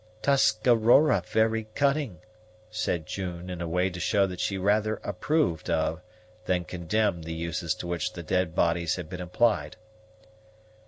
"Tuscarora very cunning," said June, in a way to show that she rather approved of than condemned the uses to which the dead bodies had been applied.